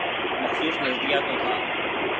مخصوص نظریہ تو تھا۔